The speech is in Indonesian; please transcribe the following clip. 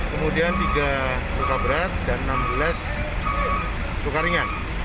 kemudian tiga luka berat dan enam belas luka ringan